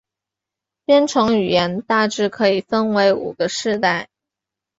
编程语言大致可以分为五个世代。